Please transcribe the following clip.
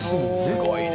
すごいね。